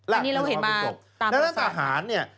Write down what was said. อันนี้เราเห็นมาตามเหตุศาสตร์ดังนั้นตะหารนี่